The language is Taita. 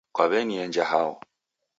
Kwaw'enienja hao